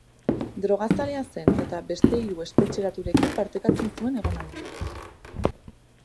Drogazalea zen eta beste hiru espetxeratuekin partekatzen zuen egonaldia.